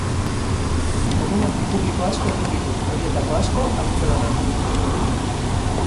Monumentu publiko asko egin ditu, horietako asko Bartzelonan.